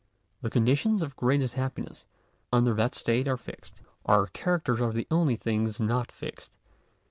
The conditions of greatest happiness under that state are fixed. Our characters are the only things not fixed.